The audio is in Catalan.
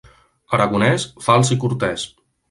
Aragonès, fals i cortès.